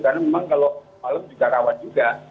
karena memang kalau malam juga rawat juga